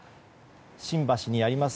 新橋にあります